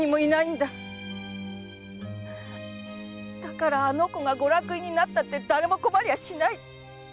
だからあの子がご落胤になっても誰も困りはしない！